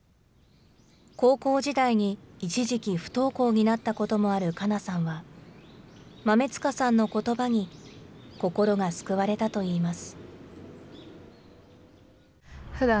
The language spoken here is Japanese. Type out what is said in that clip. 高校時代に、一時期不登校になったこともあるかなさんは、豆塚さんのことばに心が救われたといいます。